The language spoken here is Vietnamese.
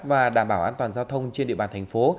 và đảm bảo an toàn giao thông trên địa bàn thành phố